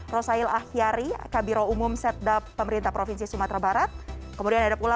rosail ahyari kabiro umum setda pemerintah provinsi sumatera barat kemudian ada pula